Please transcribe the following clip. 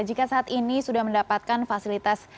jika saat ini sudah mendapatkan fasilitas